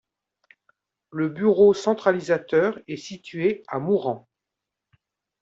Le bureau centralisateur est situé à Mourenx.